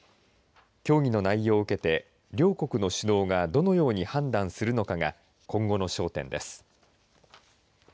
協議の内容を受けて両国の首脳がどのように判断するのかが今後の焦点です。